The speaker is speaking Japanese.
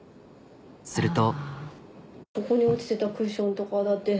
すると。